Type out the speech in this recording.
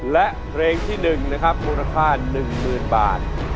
และเรงที่หนึ่งนะครับมูลค่าหนึ่งหมื่นบาท